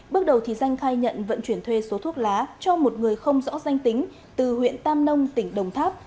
bước đầu danh khai nhận vận chuyển thuê số thuốc lá cho một người không rõ danh tính từ huyện tam nông tỉnh đồng tháp